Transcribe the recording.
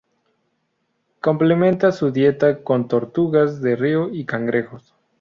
Complementa su dieta con tortugas de río y cangrejos.